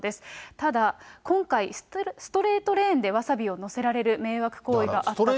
ただ、今回、ストレートレーンでわさびを載せられる迷惑行為があったと。